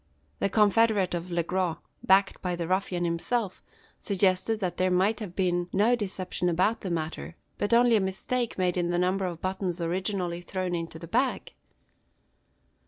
The confederate of Le Gros backed by the ruffian himself suggested that there might have been no deception about the matter, but only a mistake made in the number of buttons originally thrown into the bag.